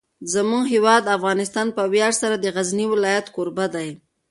زموږ هیواد افغانستان په ویاړ سره د غزني ولایت کوربه دی.